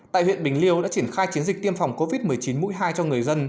tại huyện bình liêu đã triển khai chiến dịch tiêm phòng covid một mươi chín mũi hai cho người dân